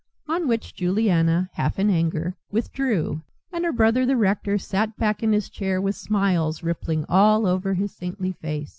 On which Juliana, half in anger, withdrew, and her brother the rector sat back in his chair with smiles rippling all over his saintly face.